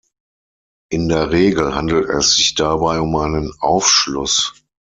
In der Regel handelt es sich dabei um einen Aufschluss.